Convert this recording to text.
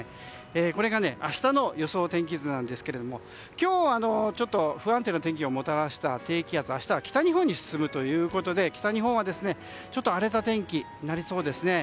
これが明日の予想天気図ですが今日は、不安定な天気をもたらした低気圧が明日は北日本に進むということで北日本は荒れた天気になりそうです。